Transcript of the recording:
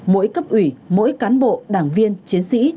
mỗi cấp ủy mỗi cán bộ đảng viên chiến sĩ